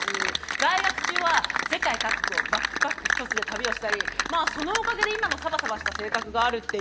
在学中は世界各国をバックパック一つで旅をしたりまあそのおかげで今のサバサバした性格があるっていうか